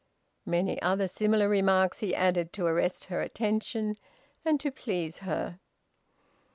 Many other similar remarks he added to arrest her attention and to please her.